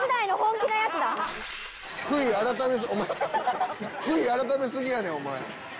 悔い改め過ぎやねんお前。